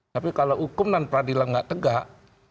tapi kalau hukum dan peradilan nggak tegak